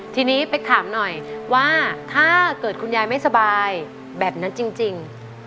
ทีนี้เป๊กถามหน่อยว่าถ้าเกิดคุณยายไม่สบายแบบนั้นจริง